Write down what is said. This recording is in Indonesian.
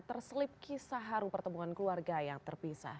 terselip kisah haru pertemuan keluarga yang terpisah